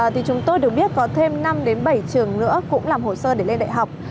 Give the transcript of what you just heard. thì chúng tôi được biết có thêm năm đến bảy trường nữa cũng làm hồ sơ để lên đại học